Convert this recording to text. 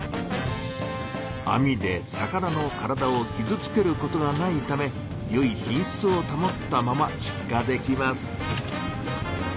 網で魚の体をきずつけることがないためよい品しつを保ったまま出荷できます。